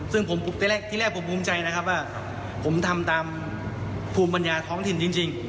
ซึ่งที่แรกผมภูมิใจนะครับว่าผมทำตามภูมิปัญญาท้องถิ่นจริง